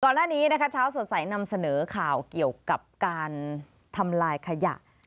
ก่อนหน้านี้ชาวสวดใสนำเสนอข่าวเกี่ยวกับการทำลายขยะ